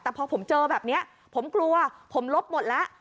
แต่พอผมเจอแบบนี้ผมกลัวผมลบหมดแล้ว